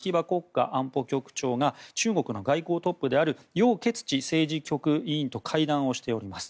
先月１７日、秋葉国家安保局長が中国の外交トップであるヨウ・ケツチ政治局委員と会談をしております。